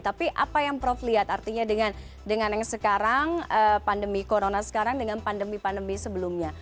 tapi apa yang prof lihat artinya dengan yang sekarang pandemi corona sekarang dengan pandemi pandemi sebelumnya